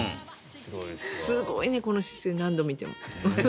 すごいね、この姿勢何度見ても。